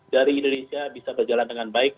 dari indonesia bisa berjalan dengan baik